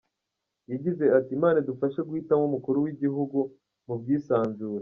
Yagize ati "Imana idufashe guhitamo Umukuru w’igihugu mu bwisanzure.